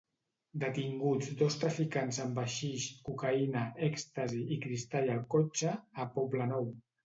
Detinguts dos traficants amb haixix, cocaïna, èxtasi i cristall al cotxe, a Poblenou.